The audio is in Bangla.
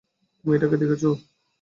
তুমি এটাকে দেখেছো?